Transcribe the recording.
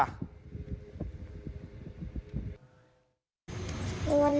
วันแรกเอามือตบ๔ครั้งค่ะ